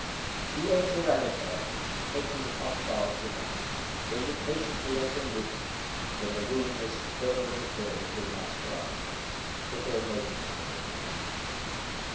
The eight ourang outangs, taking Hop Frog's advice, waited patiently until midnight (when the room was thoroughly filled with masqueraders) before making their appearance.